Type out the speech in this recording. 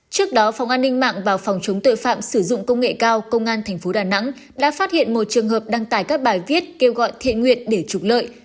trước đó phòng an ninh mạng và phòng chống tội phạm sử dụng công nghệ cao công an tp đà nẵng đã phát hiện một trường hợp đăng tải các bài viết kêu gọi thiện nguyện để trục lợi